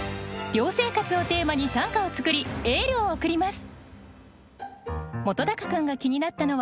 「寮生活」をテーマに短歌を作りエールを送ります。